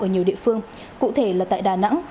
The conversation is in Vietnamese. ở nhiều địa phương cụ thể là tại đà nẵng